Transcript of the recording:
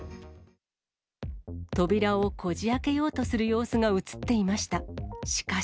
扉をこじあけようとする様子が写っていました。